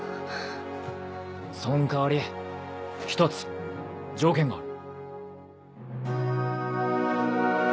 そん代わり１つ条件がある。